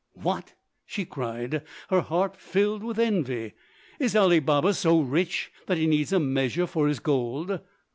"What?" she cried, her heart filled with envy, "is Ali Baba so rich that he needs a measure for his gold?